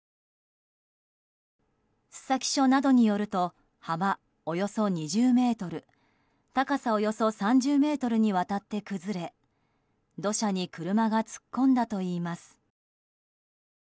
須崎署などによると幅およそ２０ｍ高さおよそ３０ｍにわたって崩れ土砂に車が突っ込んだといいます。